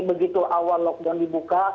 begitu awal lockdown dibuka